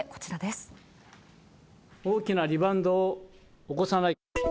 大きなリバウンドを起こさない。